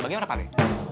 bagaimana pak ade